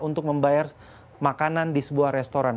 untuk membayar makanan di sebuah restoran